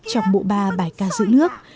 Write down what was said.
trong bộ ba bài ca giữ nước